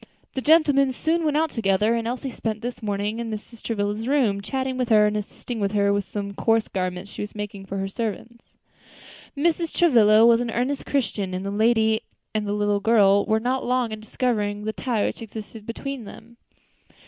The gentlemen soon went out together, and Elsie spent the morning in Mrs. Travilla's room, chatting with her and assisting her with some coarse garments she was making for her servants. Mrs. Travilla was an earnest Christian, and the lady and the little girl were not long in discovering the tie which existed between them.